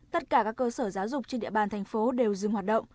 tất cả các cơ sở giáo dục trên địa bàn thành phố đều dừng hoạt động